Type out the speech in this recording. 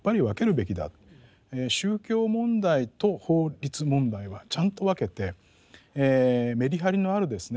宗教問題と法律問題はちゃんと分けてメリハリのあるですね